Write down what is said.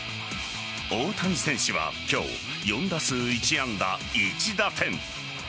大谷選手は今日４打数１安打１打点。